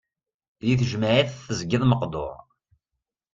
Di tejmaɛt tezgiḍ meqdur.